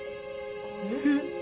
えっ？